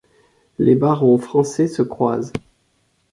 Les barons français se croisent.